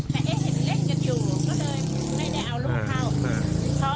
แต่เอ๊ะเห็นเล่นกันอยู่ก็เลยไม่ได้เอาลูกเข้า